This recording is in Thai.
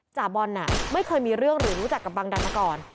จ่าบอลไม่เคยมีเรื่องหรือรู้จักกับบังดันมาก่อน